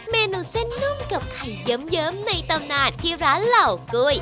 เมนูเส้นนุ่มกับไข่เยิ้มในตำนานที่ร้านเหล่ากุ้ย